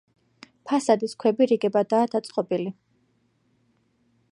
ფასადის ქვები რიგებადაა დაწყობილი.